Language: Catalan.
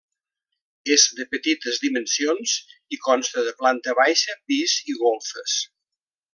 És de petites dimensions i consta de planta baixa, pis i golfes.